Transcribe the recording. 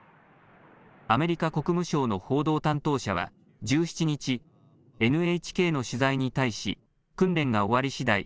アメリカ国務省の報道担当者は１７日、ＮＨＫの取材に対し訓練が終わりしだい